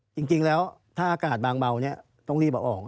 จริงแล้วถ้าอากาศบางเบาเนี่ยต้องรีบออก